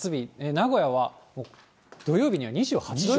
名古屋は土曜日には２８度。